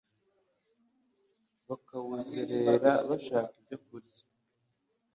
bakawuzerera bashaka ibyo barya